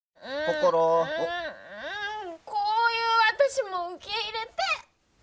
こういう私も受け入れて！